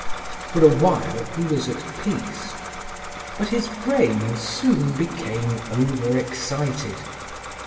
For a while he was at peace, but his brain soon became over excited.